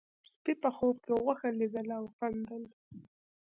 سپي په خوب کې غوښه لیدله او خندل.